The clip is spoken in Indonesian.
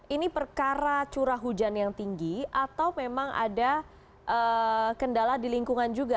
ini perkara curah hujan yang tinggi atau memang ada kendala di lingkungan juga